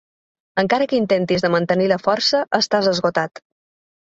Encara que intentis de mantenir la força, estàs esgotat.